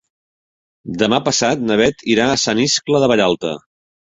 Demà passat na Bet irà a Sant Iscle de Vallalta.